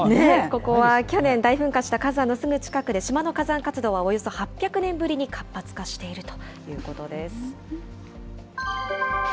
ここは去年、大噴火した火山のすぐ近くで、島の火山活動はおよそ８００年ぶりに活発化しているということです。